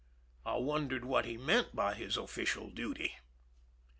I wondered what he meant by his official duty.